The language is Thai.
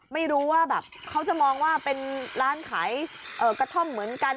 ไม่รู้ว่าแบบเขาจะมองว่าเป็นร้านขายกระท่อมเหมือนกัน